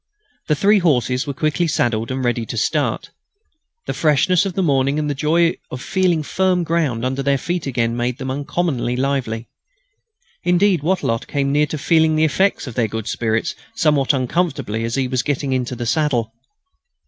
The three horses were quickly saddled and ready to start. The freshness of the morning and the joy of feeling firm ground under their feet again made them uncommonly lively. Indeed, Wattrelot came near feeling the effects of their good spirits somewhat uncomfortably as he was getting into the saddle.